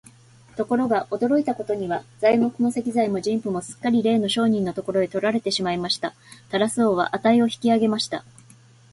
ところが、驚いたことには、材木も石材も人夫もすっかりれいの商人のところへ取られてしまいました。タラス王は価を引き上げました。